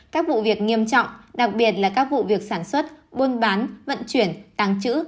các vụ việc nghiêm trọng đặc biệt là các vụ việc sản xuất buôn bán vận chuyển tăng chữ